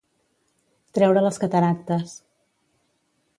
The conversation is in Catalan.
Treure les cataractes.